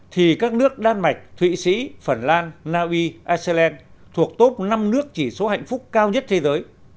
thì các nước đan mạch thụy sĩ phần lan naui iceland thuộc top năm nước chỉ số hạnh phúc cao nhất thế giới